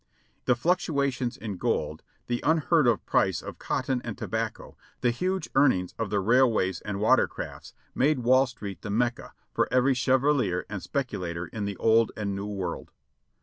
The fluc tuations in gold, the unheard of price of cotton and tobacco, the huge earnings of the railways and water crafts made Wall Street the Mecca of every chevalier and speculator in the Old and New World.